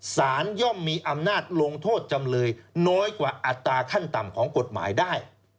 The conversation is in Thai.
ย่อมมีอำนาจลงโทษจำเลยน้อยกว่าอัตราขั้นต่ำของกฎหมายได้